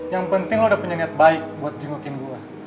yang penting lo udah punya niat baik buat jengukin gue